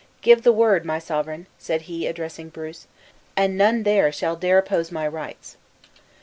Give the word, my sovereign," said he, addressing Bruce, "and none there shall dare oppose my rights."